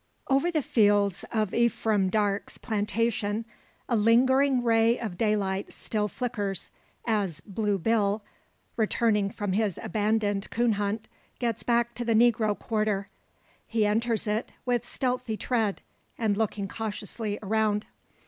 Over the fields of Ephraim Darke's plantation a lingering ray of daylight still flickers, as Blue Bill, returning from his abandoned coon hunt, gets back to the negro quarter. He enters it, with stealthy tread, and looking cautiously around.